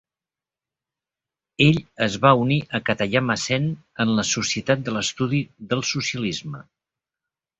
Ell es va unir a Katayama Sen en la "Societat de l'Estudi del Socialisme".